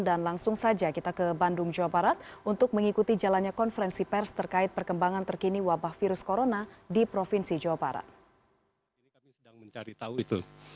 dan langsung saja kita ke bandung jawa barat untuk mengikuti jalannya konferensi pers terkait perkembangan terkini wabah virus corona di provinsi jawa barat